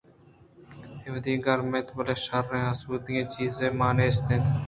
اے وہدی گرم اَت بلئے شرّیں آسودگیں چیزے مان نیست اَت